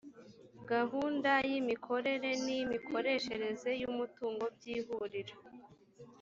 gahunda y’imikorere n’iy’imikoreshereze y’umutungo by’lhuriro